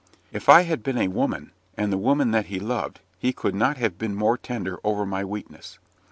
If I had been a woman, and the woman that he loved, he could not have been more tender over my weakness.